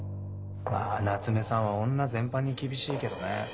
まぁ夏目さんは女全般に厳しいけどね。